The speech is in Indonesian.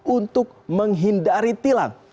untuk menghindari tilang